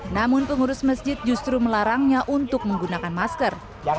namun pengurus masjid justru melarangnya untuk menggunakan masker